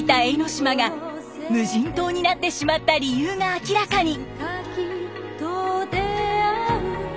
島が無人島になってしまった理由が明らかに。